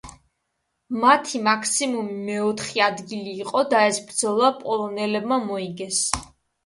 მათი მაქსიმუმი მეოთხე ადგილი იყო და ეს ბრძოლა პოლონელებმა მოიგეს.